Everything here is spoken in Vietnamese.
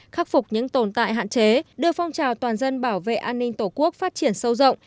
khắc phục những tồn tại hạn chế đưa phong trào toàn dân bảo vệ an ninh tổ quốc phát triển sâu rộng